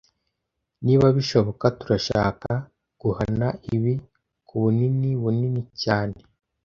Niba bishoboka, turashaka guhana ibi kubunini bunini cyane